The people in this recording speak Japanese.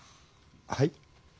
はい？